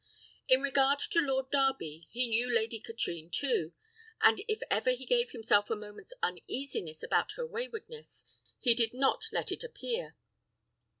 In regard to Lord Darby, he knew Lady Katrine too; and if ever he gave himself a moment's uneasiness about her waywardness, he did not let it appear.